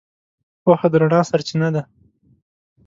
پوهه د رڼا سرچینه ده.